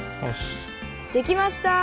できました！